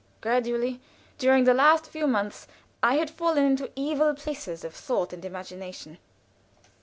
Gradually, during the last few months, I had fallen into evil places of thought and imagination.